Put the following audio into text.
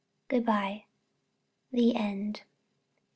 Good bye. THE END.